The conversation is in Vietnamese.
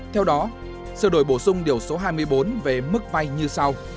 theo đó sửa đổi bổ sung điều số hai mươi bốn về mức vay như sau